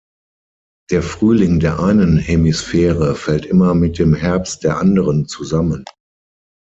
Der Frühling der einen Hemisphäre fällt immer mit dem Herbst der anderen zusammen.